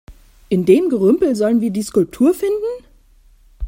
In dem Gerümpel sollen wir die Skulptur finden?